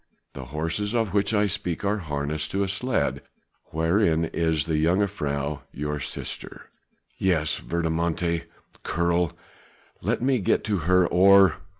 The horses of which I speak are harnessed to a sledge wherein is the jongejuffrouw your sister." "Yes! verdommte Keerl! let me get to her or...."